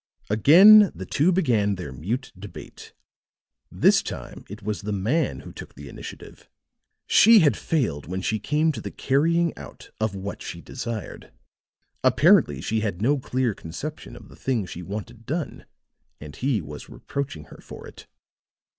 Again the two began their mute debate. This time it was the man who took the initiative; she had failed when she came to the carrying out of what she desired; apparently she had no clear conception of the thing she wanted done, and he was reproaching her for it.